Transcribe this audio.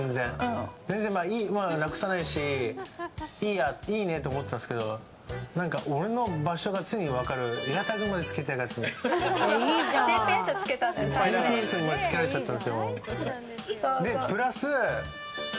全然なくさないしいいねと思ってたんですけど何か、俺の場所が常に分かるエアタグまでつけられちゃって。